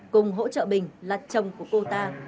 cùng hỗ trợ bình là chồng của cô ta